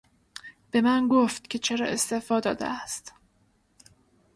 به من گفت که چرا استعفا داده است.